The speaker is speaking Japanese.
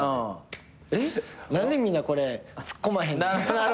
何でみんなこれツッコまへんねんって。